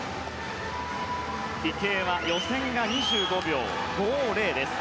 池江は予選が２５秒５０でした。